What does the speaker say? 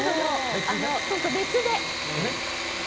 別で。